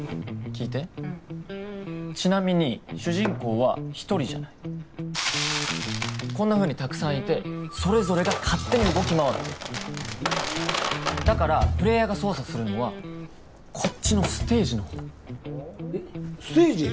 聞いてうんちなみに主人公は一人じゃないこんなふうにたくさんいてそれぞれが勝手に動き回ってるだからプレイヤーが操作するのはこっちのステージの方ステージ？